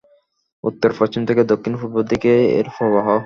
উত্তর-পশ্চিম থেকে দক্ষিণ-পূর্ব দিকে এর প্রবাহ।